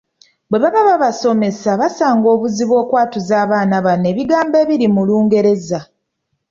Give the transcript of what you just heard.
Bwe baba babasomesa basanga obuzibu okwatuza abaana bano ebigambo ebiri mu Lungereza.